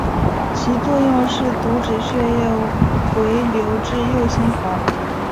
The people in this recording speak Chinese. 其作用是阻止血液回流至右心房。